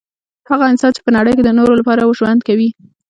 هغه انسان چي په نړۍ کي د نورو لپاره ژوند کوي